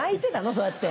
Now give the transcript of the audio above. そうやって。